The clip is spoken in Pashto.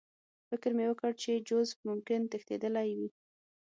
فکر مې وکړ چې جوزف ممکن تښتېدلی وي